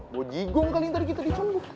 gue gigung kali ini tadi kita dicombok